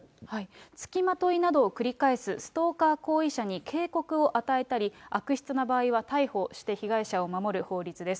付きまといなどを繰り返すストーカー行為者に警告を与えたり、悪質な場合は逮捕して被害者を守る法律です。